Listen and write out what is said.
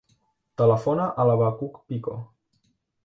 Telefona al Abacuc Pico.